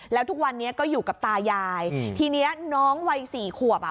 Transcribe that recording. แล้วทุกวันนี้ก็อยู่กับตายายทีนี้น้องวัยสี่ขวบอ่ะ